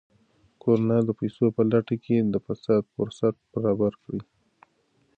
کرونا د پیسو په لټه کې د فساد فرصت برابر کړی.